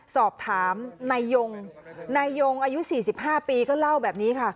สอบถามนายยงนายยงอายุ๔๕ปีก็เล่าแบบนี้ค่ะ